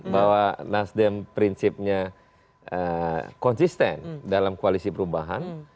bahwa nasdem prinsipnya konsisten dalam koalisi perubahan